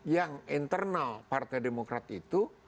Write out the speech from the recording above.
yang internal partai demokrat itu